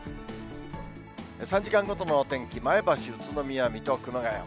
３時間ごとのお天気、前橋、宇都宮、水戸、熊谷。